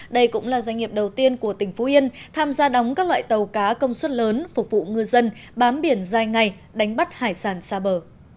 đây cũng là doanh nghiệp đầu tiên của tỉnh phú yên tham gia đóng các loại tàu cá công suất lớn phục vụ ngư dân bám biển dài ngày đánh bắt hải sản xa bờ